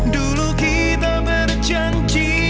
dulu kita berjanji